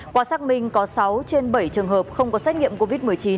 qua xác minh có sáu trên bảy trường hợp không có xét nghiệm covid một mươi chín